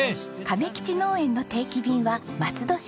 亀吉農園の定期便は松戸市内限定。